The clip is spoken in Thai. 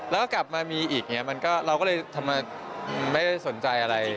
แล้วก็กลับมามีอีกเราก็เลยทำไมไม่สนใจอะไร